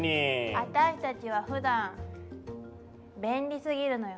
あたしたちはふだん便利すぎるのよ。